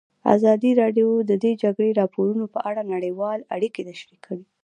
ازادي راډیو د د جګړې راپورونه په اړه نړیوالې اړیکې تشریح کړي.